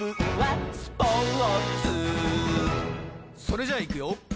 それじゃいくよ